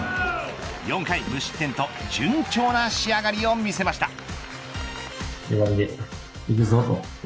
４回無失点と順調な仕上がりを見せました。